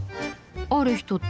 ある人って？